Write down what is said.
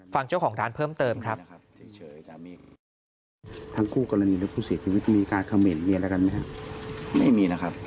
ฟังเจ้าของร้านเพิ่มเติมครับ